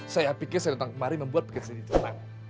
saya pikir saya datang kemari membuat pikir saya jadi cuman